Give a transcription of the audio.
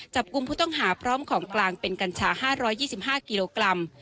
กุมผู้ต้องหาพร้อมของกลางเป็นกัญชา๕๒๕กิโลกรัม